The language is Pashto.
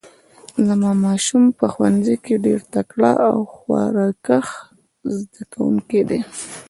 زما ماشوم په ښوونځي کې ډیر تکړه او خواریکښ زده کوونکی ده